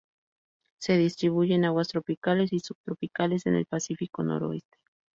Se distribuye en aguas tropicales y subtropicales, en el Pacífico noroeste.